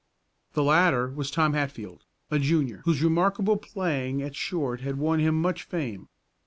The latter was Tom Hatfield, a Junior whose remarkable playing at short had won him much fame.